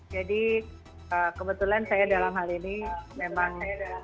jadi kebetulan saya dalam hal ini memang